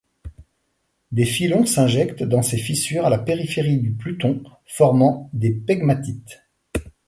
Des filons s'injectent dans ces fissures à la périphérie du pluton, formant des pegmatites.